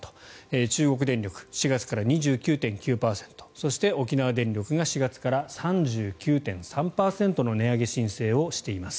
中国電力４月から２９．９％そして、沖縄電力が４月から３９．３％の値上げ申請をしています。